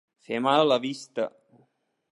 Fer mal a la vista.